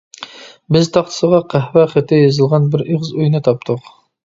بىز تاختىسىغا قەھۋە خېتى يېزىلغان بىر ئېغىر ئۆينى تاپتۇق.